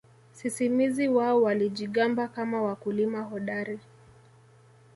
Sisimizi wao walijigamba kama wakulima hodari